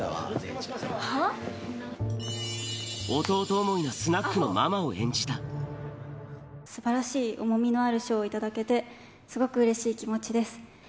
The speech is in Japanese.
弟思いなスナックのママを演すばらしい、重みのある賞を頂けて、すごくうれしい気持ちです。